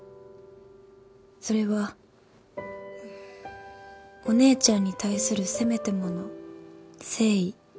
それはお姉ちゃんに対するせめてもの誠意。